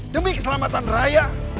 demi keselamatan rayang